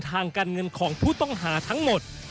ทางการเงินของผู้ต้องหาทั้งหมด